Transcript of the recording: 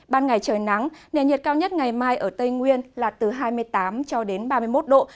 ban ngày trời nắng nền nhiệt cao nhất ngày mai ở tây nguyên là từ hai mươi tám cho đến ba mươi một độ